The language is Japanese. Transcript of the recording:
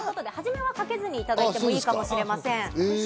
初めはかけずに食べていただくと、いいかもしれません。